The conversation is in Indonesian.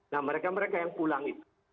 nah mereka mereka yang pulang itu